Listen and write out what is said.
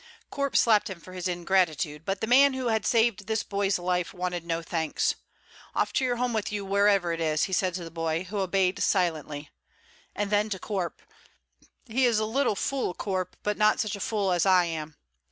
Corp slapped him for his ingratitude; but the man who had saved this boy's life wanted no thanks. "Off to your home with you, wherever it is," he said to the boy, who obeyed silently; and then to Corp: "He is a little fool, Corp, but not such a fool as I am."